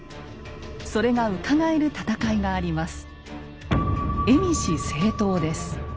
それがうかがえる戦いがあります。